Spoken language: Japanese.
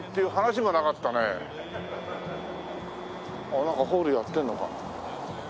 あっなんかホールやってるのか。